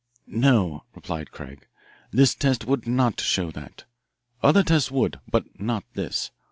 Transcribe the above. "No," replied Craig, "this test would not show that. Other tests would, but not this.